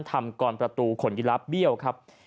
ทำกรประตูขนยิรับเบี้ยวครับ